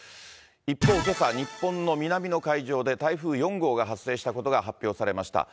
一方、けさ、日本の南の海上で台風４号が発生したことが発表されました。